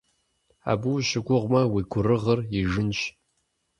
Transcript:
Абы ущыгугъмэ, уи гурыгъыр ижынщ.